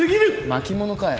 巻物かよ。